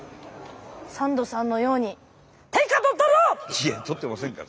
いやとってませんから。